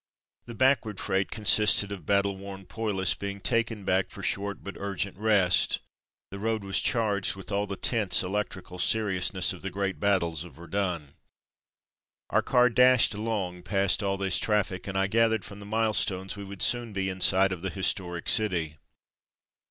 The backward freight consisted of battle 190 Verdun 191 worn poilus being taken back for short but urgent rest. That road was charged with all the tense, electrical seriousness of the great battles of Verdun. Our car dashed along past all this traffic, and I gathered from the milestones that we would soon be in sight of the historic city.